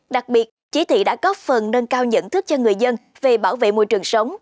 đặc biệt chỉ thị đã góp phần nâng cao nhận thức cho người dân về bảo vệ môi trường sống